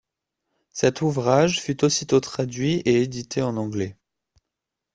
Cet ouvrage fut aussitôt traduit et édité en anglais.